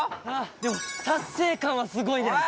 でも達成感はすごいです